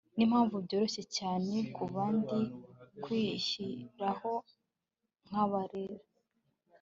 nimpamvu byoroshye cyane kubandi kwishyiriraho nkabarera